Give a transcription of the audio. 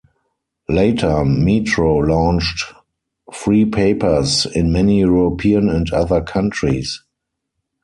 Later, Metro launched free papers in many European and other countries.